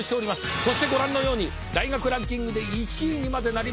そしてご覧のように大学ランキングで１位にまでなりました。